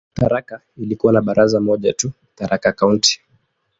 Tharaka ilikuwa na baraza moja tu, "Tharaka County".